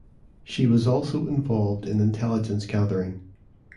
She was also involved in intelligence gathering.